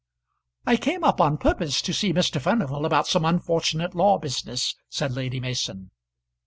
"I came up on purpose to see Mr. Furnival about some unfortunate law business," said Lady Mason.